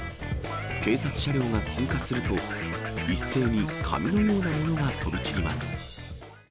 警察車両が通過すると、一斉に紙のようなものが飛び散ります。